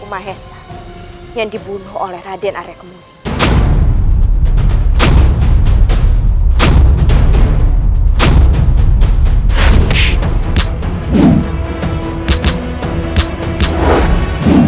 mahesa yang dibunuh oleh raden arekumuni